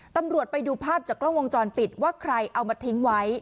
ตำรวจไปดูภาพจากกล้องวงจรปิดว่าใครเอามาทิ้งไว้